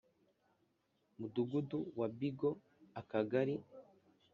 Mudugudu wa Bigo Akagari